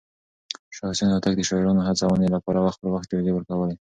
شاه حسين هوتک د شاعرانو هڅونې لپاره وخت پر وخت جايزې ورکولې.